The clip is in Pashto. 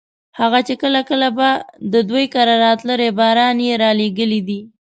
هغه چې کله کله به د دوی کره راته ريباران یې رالېږلي دي.